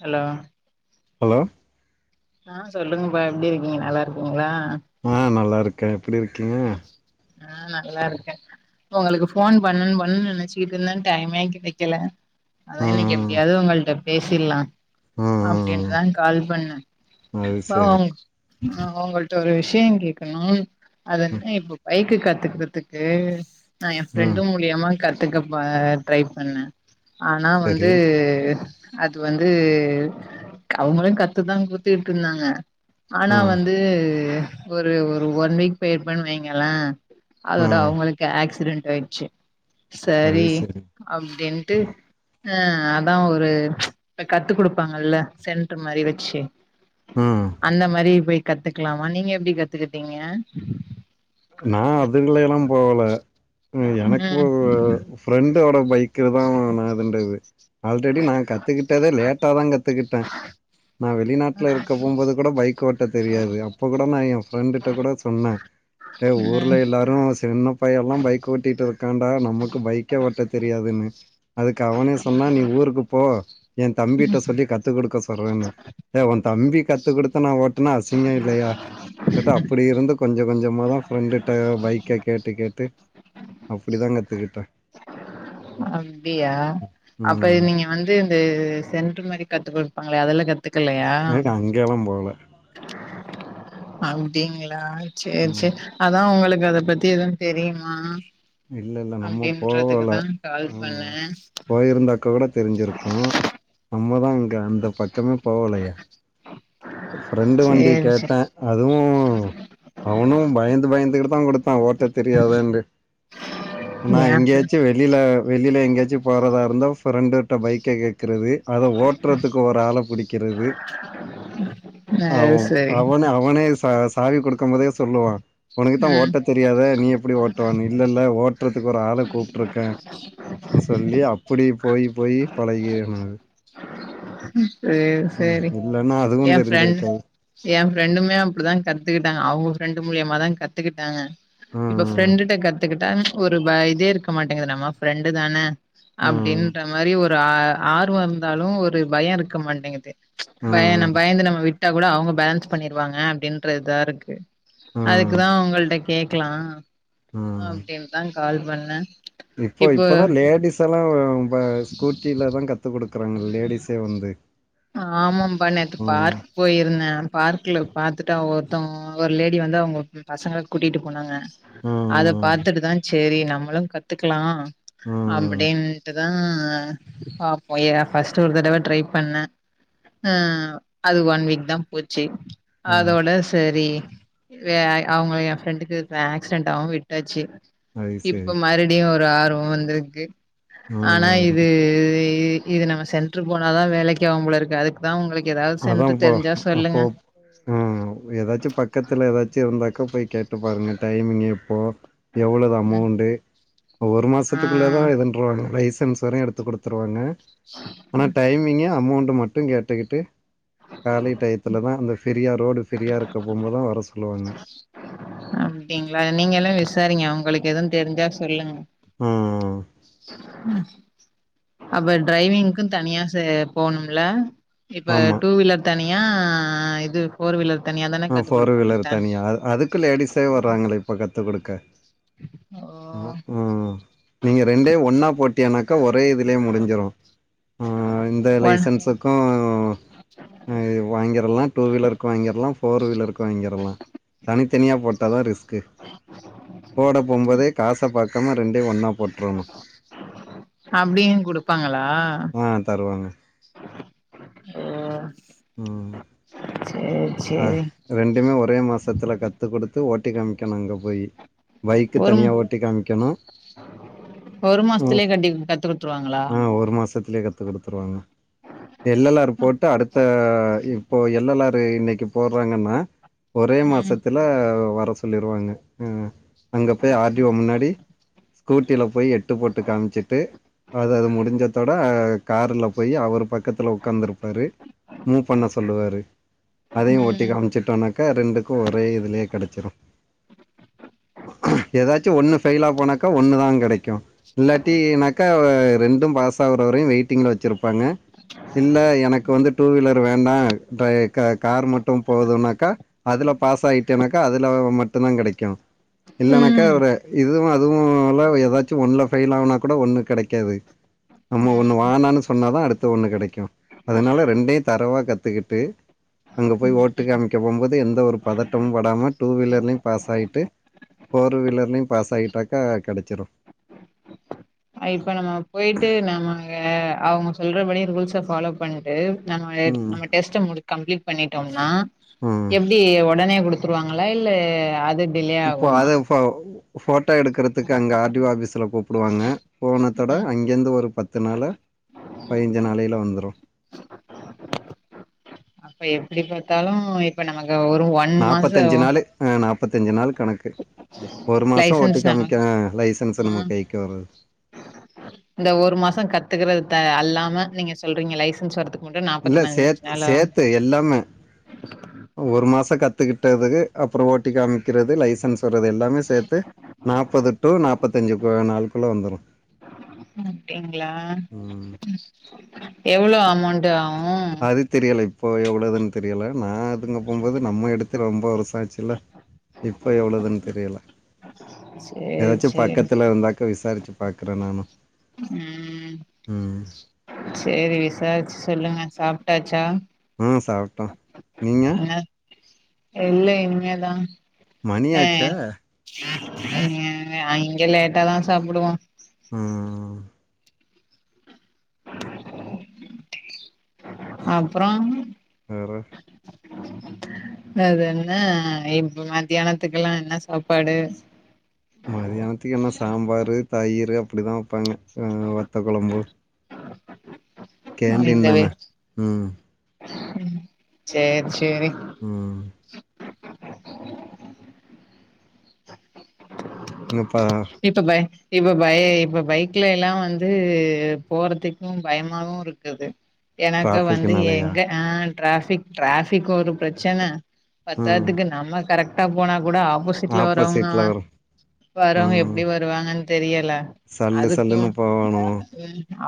Hello hello ஆ சொல்லங்கப்பா எப்டி இருக்கீங்க நல்லா இருக்கீங்ளா ஆ நல்லா இருக்கே எப்டி இருக்கீங்க ஆ நல்லா இருக்கே. உங்களுக்கு ஃபோன் பண்ணனு பண்ணனுன்னு நனச்சிட்டு இருந்தே டைமே கெடைக்கல. அதா ஆ இன்னிக்கி ஆ எப்டியாச்சி உங்கள்ட பேசீல்லா ஆ ஆ அப்டின்டுதா கால் பண்ண. அது பா சரி உங் உங்கள்ட ஒரு விஷயோ கேக்கணும் அது ம் என்ன இப்ப பைக்கு கத்துக்கறதுக்கு நா எயா ம் ஃப்ரெண்டு மு மூலியமா கத்துக்க ப ட்ரை பண்ண. ஆனா சரி வந்து அது வந்து அவுங்களு கத்துதா குத்துட்டு இருந்தாங்க. ஆனா ஆ வந்து ஒரு ஒரு ஒன் வீக் போயிருப்பேன்னு வெங்கலே. ஆ அதோட அவுங்களுக்கு ஆக்சிடென்ட் ஆயிடுச்சி சரி அப்டின்ட்டு ஆ அதா ஒரு இப்ப கத்து குடுப்பாங்கல்ல சென்டர் மாரி வெச்சி ம் அந்த மாரி போயி கத்துக்கலாமா நீங்க எப்டி கத்துக்கிட்டீங்க. நா அதுங்கல எல்லா போகல. எனக்கு ம் ஒரு ஃப்ரெண்டோட பைக் பைக்குலதா நடுந்தது. ஆல்ரெடி நா கத்துக்கிட்டதே லேட்டா தா கத்துக் கிட்ட நா வெளிநாட்ல இருக்க போம்போது கூட பைக் ஓட்ட தெரியாது. அப்ப கூடோ நா ஏயா ஃப்ரெண்டுட்ட கூடோ சொன்ன. ஏ ம் ஊர்ல எல்லாரு சின்ன பையல்லா பைக் ஓட்டிட்டு இருக்காண்டா நமக்கு பைக்கே ஓட்ட தெரியாதுன்னுன அதுக்கு அவனே சொன்னா நீ ஊருக்கு போ ஏ தம்பிட்ட சொல்லி கத்து குடுக்க சொல்றன்னு. டே ஊ தம்பி கத்து குடுத்து நா ஓட் னா அசிங்கோ இல்லையா கேட்டா அப்புடி இருந்து கொஞ்ச கொஞ்சமா தா ஃப்ரெண்டுட்ட பைக்க கேட்டு கேட்டு அப்டிதா கத்துக்கிட்ட. அப்டியா அப்ப ம் நீங்க வந்து இந்த சென்டர் மாரி கத்து குடுப்பாங்ளே அதுல கத் கத்துகலையா நேக்கு அங்கெல்லா போகல அப்டிங்ளா சேர் ம் சேரி அதா உங்களுக்கு அத பத்தி எதும் தெரியுமா இல்ல இல்ல நம்ம போவல அப்டின்றதுக்குதா கால் பண்ணே ம் போயிருந்தாக்க கூட தெருஞ்சிருக்கு. நம்மதா இங்க அந்த பக்கமே போவலயே. ஒ ஃப்ரெண்டு வண்டி சேரி கேட்ட சேரி அதுவு அவனு பயந்து பயந்துகிட்டு தா குடுத்தா ஓட்ட தெரியாதுன்டு நா ஏ ஃப்ரெ எங்யாச்சு வெ வெளில வெளில எங்யாச்சி போறதா இருந்தா ஃப்ரெண்டுட்ட பைக்க கேக்குறது அத ஓட் ஓட்றத்துக்கு ஒரு ஆள புடிக்கிறது ஆ அது சரி அவனே அவனே ச சாவி குடுக்கும்போதே சொல்லுவா ஒனக்கு தா ம் ஓட்டத் தெரியாதே நீ எப்டி ஓட்டுவன்னு இல்ல இல்ல ஓட் றதுக்கு ஒரு ஆள கூப்ட்ருக்கே ன்னு சொல்லி அப்டி போய் போய் பழகிய நானு சேர் ம் சேரி இல்லன்னா அதுவு ஏ ஃப்ரெண்ட் தெரிஞ்சிருக்காது ஏ ஃப்ரெண்டுமே அப்டிதா கத்துக்கிட்டாங்க அவுங்க ஃப்ரெண்டு மூலியமாதா கத்துக்கிட்டாங்க இப்ப ம் ஃப்ரெண்டுட்ட கத்துக்கிட்டா ஒரு ப இதே இருக்க மாட்டேங்கிது நம்ம ஃப்ரெண்டு தான ம் அப்டின்ற மாரி ஒரு ஆ ஆர்வோ இருந்தாலு ஒரு பயோ இருக்க மாட்டேங்குது பயன்னா ம் பயந்து நம்ம விட்டா கூட அவுங்க பேலன்ஸ் பண்ணீருவாங்க அப்டின்ற இதா இருக்கு ம் அதுக்குதா உங்கள்ட கேக்கலா அப்டின் இப்ப இப்பதா லேடிஸ் எல்லா ப ஸ்கூ ட்டீல தா கத்துக் குடுக்குறாங்க லேடிஸே வந்து ஆமம்பா நேத்து ம் பார்க் போயிருந்தே பார்க்ல பாத்துட்டு அவ ஒருத்தவோ ஒரு லேடி வந்து அவுங்க பசங்கள கூட்டிட்டு போனாங்க அத ம் பாத்துட்டு தா சேரி நம்மளு கத்துக்கலா ம் அப்டின்ட்டுதா பாப்போ ஏ ஃபஸ்ட்டு ஒரு தடவ ட்ரை பண்ணே ஆ அது ஒன் வீக் தா போச்சி ம் அதோட சரி வே அவங்க ஏ ஃப்ரெண்டுக்கு ஆக்சிடென்ட் ஆகவு விட்டாச்சி அது இப்ப சரி மறு படியு ஒரு ஆர்வோ வந்துருக்கு ஆனா ம் இது இது நம்ம சென்ட்ர் போனாதா வேலைக்கி ஆகும்போல இருக்கு அதுக்குதா உங்களுக்கு ஏதாவது சென்ட்ர் தெரிஞ்சா சொல்லுங்க ஆ ஏதாச்சு பக்கத்துல ஏதாச்சு இருந்தாக்கா போய் கேட்டு பாருங்க டைமிங் எப்போ எவ்வளவு ம் அமௌண்டு ஒரு ஆ மாசத்துக்குள்ளதா இதுன்றாங்க லைசன்ஸ் வரையு எடுத்து குடுத்துருவாங்க ஆனா டைமிங் அமௌண்ட் மட்டு கேட்டுகிட்டு காலை டயத்துலதா இந்த ஃபிரியா ரோடு ஃபிரியா இருக்க போம்போது தா வர சொல்லுவாங்க அப்டிங்களா நீங்களு விசாரீங்க உங்களுக்கு எதுவு தெரிஞ்சா சொல்லுங்க ம் [inaudible] ம் அப்ப டிரைவிங்க்கு தனியா சே போனும்ல இப்ப ஆமா டூ வீலர் தனியா இது ஃபோர் வீலர் தனியா தான ஆ கத்து ஃபோர் குடுப்பாங்க வீலர் த தனியா ஆ அதுக்கு லேடிஸே வர்றாங்களே இப்ப கத்து குடுக்க ஓ ம் ம் நீங்க ரெண்டயு ஒன்னா போட் டிங்னாக்க ஒரே இதுலயே முடிஞ்சிரு ம் இந்த ஒன் லைசன்ஸ ம் இது வாங்கிறலா ஆ டூ வீலருக்கு வாங்கிறலா ஃபோர் வீலருக்கு வாங்கிறலா தனித்தனியா போட்டதா ரிஸ் க் போடப்போம்போதே காச பாக்காம ரெண்டையு ஒன்னா போட்டுரனு அப்டியு குடுப்பாங்களா ஆ தருவாங்க ம் ஓ சேரி ஆ சேரி ரெண்டுமே ஒரே மாசத்துல கத்து குடுத்து ஓட்டி காமிக்கணு அங்க போய் பைக்கு ஒரு தனியா ஓட்டி காமிக்கணு ஒரு ம் மாசத்துலயே கட்டி கத்து குடுத்துருவாங்களா ஆ ஒரு மாசத்துலயே கத் து குடுத்துருவாங்க எல் எல் லார் போட்டு அடுத்த இப்போ எல் எல் லாறு இன்னக் கி போடுறாங்கன்னா ஒரே ம் மாசத்துல வர சொல்லிருவாங்க ம் அங்க போய் ஆர் டி வோ முன்னாடி ஸ்கூட்டில போய் எட்டு போட்டு காமிச்சிட்டு அது அது முடிஞ்சதோட காருல போய் அவரு பக்கத்துல உக்காந்துருப்பாரு மூவ் பண்ண சொல்லுவாரு அதையு ஒட்டி ம் காமிச்சிட்டோனாக்கா ரெண்டுக்கு ஒரே இதுலயே கிடச்சிரு ஏதாச்சு ஒண்ணு ஃபெயிலா போனாக்கா ஒண்ணுதா கிடைக்கு இல்லாட்டினாக்கா ரெண்டும் பாஸாகுறவரையு வெயிட்டிங்ல வச்சிருப் பாங்க இல்ல எனக்கு வந்து டூ வீலர் வேண்டா டிரை கா கார் மட்டு போதுனாக்கா அதுல பாஸ் ஆகிட்டேனாக்கா அதுல மட்டும்தா கிடைக்கு இல்லனாக்கா ம் ஒரு இதுவு அதுவு ல ஏதாச்சு ஒண்ணுல ஃபெயில் ஆனா கூட ஒண்ணு கிடைக்காது நம்ம ஒண்ணு ம் வானான்னு சொன்னாதா அடுத்த ஒண்ணு கிடைக்கு அதனால ரெண்டையு தரவா கத்துக்கிட்டு அங்க போய் ஓட்டு ம் காமிக்க போம்போது எந்த ஒரு பதட்டமு பாடாம டூ வீலர்லயும் பாஸ் ஆயிட்டு ஃபோர் வீலர்லேயு பாஸ் ஆயிட்டாக்கா கிடைச்சிரு அ இப்ப நம்ம போயிட்டு நம்ம அங்க அவங்க சொல்றபடி ரூல்ஸ ஃபாலோ பண் எ நம்ம ம். நம்ம டெஸ்ட கம்ப்லிட் பண்ணிட்டோம்னா ம் டி உடனே குடுத்துருவாங்களா இல்ல அது டிலே இப்போ ஆகுமா அத ஃபோ ஃபோட்டோ எடுக்கறதுக்கு அங்க ஆர்டிஓ ஆபீஸ்ல கூப் புடுவாங்க போனதோட ம் அங்கேருந்து ஒரு பத்து நாள பதிஞ்சு நாளைல வந்துரு அப்ப எப்படி பாத்தாலு இப்ப நமக்கு ஒரு ஒ நாப்பத்தஞ்சு நாளு நாப்பத்தஞ்சு நாள் கணக் கு ஒரு மாச ஓட்டி லைசன்ஸ் நமக் காமிக்க லைசன்ஸ் நம்ம ம் கைக்கு வரது இந்த ஒரு மாச கத்துக்கறது த அல்லாம நீங்க சொல்றீங்க லைசன்ஸ் வர்றது இல்ல சேத்து சேத்து எல்லாமே ஒரு மாச கத்துக்கிட்டதுக்கு அப்புற ஓட்டி காமிக்கிறது லைசன்ஸ் தர்றது எல்லாமே சேத்து நாப்பது டு நாப்பத்தஞ்சி கு நாளுக்குள்ள வந்துரு அப்படிங்ளா ம் எவ்ளோ அமௌண்ட ஆவு அது தெரியல இப்போ எவ்வளவுதுனு தெரியல நா அதுங்க போகும்போது நம்ம எடுத்து து ரொம்ப வருஷ ஆச்சில்ல இப்ப எவ்வளவுதுன்னு தெரியல சேரி ஏதாச்சி சேரி பக்கத்துல இருந்தாக்க விசாரிச்சி பாக்குறே நானு ம் சேரி விசாரிச்சி சொல்லுங்க சாப்ட்டாச்சா ம் சாப்ட்டோம் நீங்க ன இல்ல இனிமேதா மணியாச்சா அங்க லேட்டாதா சாப்டுவோ ம் அப்றோ வேற வேற என்ன இப்ப மத்தியானத்துக்கெல்லா என்ன சாப்பாடு மதியானத்துக்கு என்ன சாம்பார் தயிர் அப்படிதா வப்பாங்க வத்த குழம்பு கேண்டீன் இந்த வே தான ம் சேரி சேரி ம் முப்பதா இப்ப பய இப்ப பய இப்ப பைக்ல எல்லா வந்து போறதுக்கும் பயமாவு இருக்குது எனக்க வந்து டிராஃபிக்னாலயா எங்க ஆ ட்ராபிக் ட்ராபிக் ஒரு பிரச்சன ம் பத்தாதுக்கு நம்ம கரெக்ட் டா போனா கூட ஆப்போசிட்ல வரவங்க ஆப்போசிட்டில் வரும் வரவங்க எப் ம் டி வருவாங்கனு தெரியல சல்லு அதுக்கும் சல்லுன்னு போகணும்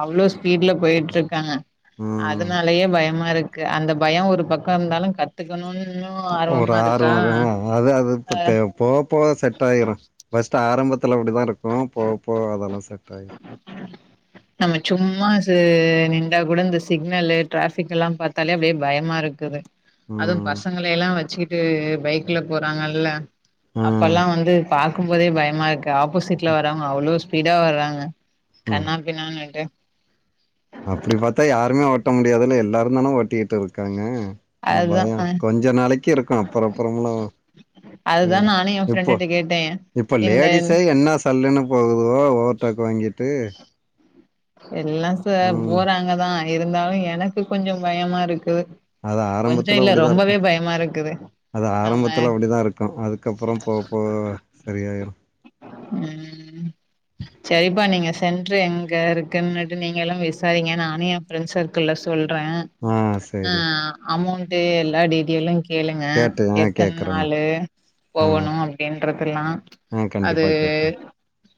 அவ்ளோ ஸ்பீட்ல போய்ட்டிருக்காங்க ம் அதனாலயே பயமா இருக்கு அந்த பயோ ஒரு பக்கோ இருந்தாலு கத் கத்துக்கணுனு இன்னு ஒரு ஆர்வமா இருக்கா போவ போவ செட் ஆயிரு ஃபர்ஸ்ட் ஆரம்பத்தல அப்டி தா இருக்கு போவ போவ அதெல்லா செட் ஆயிரு நம்ம சும்மா ச நின்டா கூட இந்த சிக்னல்லு ட்ராஃபிக் எல்லா பாத்தாலே அப்டியே பயமா இருக்குது அதுவு ம் பசங்களை எல்லா வச்சிட்டு பைக்ல போறாங்கல்ல ஆ அப்பலா வந்து பாக்கும்போதே பயமா இருக்கு ஆப்போசிட்ல வரவங்க அவ்ளோ ஸ்பீடா வராங்க ம் கண்ணா பின்னான்ட்டு அப்டி பாத்தா யாருமே ஓட்ட முடியாதுல்ல எல்லாரு தானே ஓட்டிட்டு இருக்காங்க அதுதா பயோ அ கொஞ்ச நாளைக் இருக்கு அப்புற அப்புறம்லா அதுதா நானு எ இப்போ ஃப்ரெண்டுட்ட கேட்டே இப்ப இந்த லேடிஸே என்ன சல்லுன்னு போவுதுகோ ஓவர்டேக் வாங்கிட்டு இல்ல சார் ம் போறாங்கதா இருந்தாலு எனக்கு கொஞ்ச பயமா இருக்குது அது கொஞ்ச ஆரம்பத்துல இல்ல அப்டிதா இருக்கு ரொம்பவே பயமா இருக்குது அது நம்ம ஆரம்பத்தல அப்டி தா இருக்கு அதுக்கப்புறோ போவ போவ சரியாயிரு ம் சரிப்பா நீங்க சென்டர் எங்க இருக் இருக்கன்ட்டு நீங்க எல்லா விசாரீங்க நானு எ ஃப்ரெண்ட்ஸ் சர்க்கிள்ள சொல்றே ஆ ஆ சரி அமௌண்ட் எல்லா டீட்டெயலு கேளுங்க கேட்டு ஆ எத்தன கேக்குறேண்ணா நாளு ஆ போவணு அப்படின்றதுல்லா ஆ கண்டிப்பா கேக்றே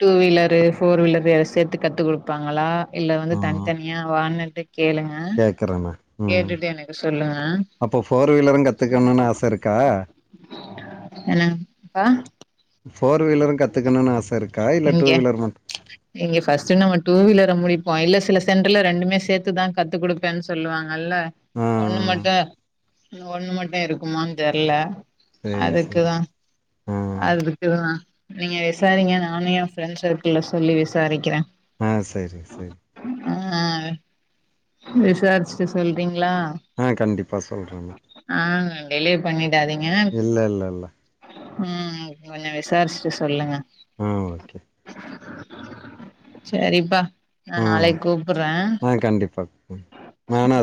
டூ வீலரு ஃபோர் வீலர் எலா சேத்து கத்து குடுப்பாங் களா இல்ல வந்து ஆ தனித்தனியா வோனர்ட கேளுங்க ஆ கேக்குறேண்ணா ம் கேட்டுட்டு எனக்கு சொல்லுங்க அப்போ ஃபோர் வீலரு கத்துக்கணுன்னு ஆச இருக்கா என்னங்ப்பா ஃபோர் வீலர் கத்துக்கணுனு ஆச இருக்கா இல்ல இங்க டூவீலர் மட்டு இங்க ஃபஸ்ட் நம்ம டூ வீலர முடிப்போ இல்ல சிலசென்டர்லே ரெண்டுமே சேத்துதா கத்து கொடுப் ப்பன்னு சொல்லுவாங்கல்ல ஆ ஒண்ணு மட்டு ஒண்ணு மட்டு இருக்குமானு தெர்லே சரி சரி அதுக்குதா ஆ அது [unintelligible] நீங்க விசாரிங்க நானு எ ஃப்ரெண்ட்ஸ் சர்க்கிள்லசொல்லி விசாரிக்கிறே ஆ சேரிங் சேரிங் ஆ விசாரிச்சுட்டு சொல்றீங்களா ஆ கண்டிப்பா சொல்றேண்ணா ஆ டிலே பண்ணிடாதீங்க இல்ல இல்ல இல்ல மம் கொஞ்ச விசாரிச்சுட்டு சொல்லுங்க ம் ஓகே செரிப்பா நா ஆ நாளைக் கூப்புறே ஆ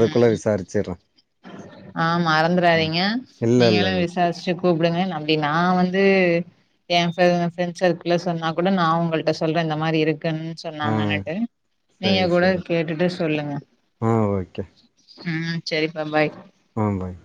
ம் வச்சர்றே ஆ மறந்துறாதீங்க இல்ல இல்ல நீங்கலே இல்ல விச சாரிச்ட்டு கூப்டுங்க அப்டி நா வந்து ஏ ஃப்ரெண் பிரண்ட்ஸ் சர்க்கிள்ல்ல சொன்னா கூட நா உங்கள்ட சொல்ரே இந்த மாரி இருக்குன் ஆ சொன்னாங்கன்னுட்டு நீங்க சரி கூட சரி கேட்டுட்டு சொல்லுங்க ஆ ஓகே ம் சரிப்பா பாய் ம் பாய்